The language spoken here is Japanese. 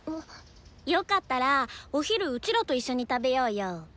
よかったらお昼うちらと一緒に食べようよ！